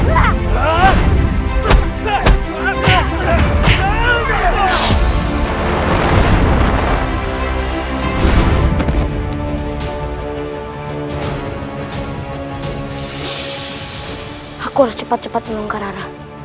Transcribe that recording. aku harus cepat cepat menolong karara